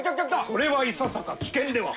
「それはいささか危険では」。